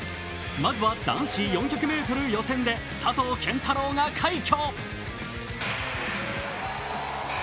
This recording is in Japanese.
まずは男子４００ｍ予選で佐藤拳太郎が快挙。